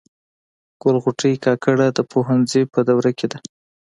ګل غوټۍ کاکړه د پوهنځي په دوره کي ده.